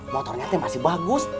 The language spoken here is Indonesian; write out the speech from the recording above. motornya tuh masih bagus